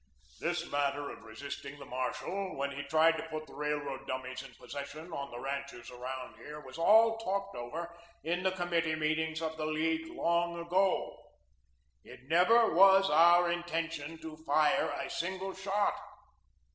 "This matter of resisting the marshal when he tried to put the Railroad dummies in possession on the ranches around here, was all talked over in the committee meetings of the League long ago. It never was our intention to fire a single shot.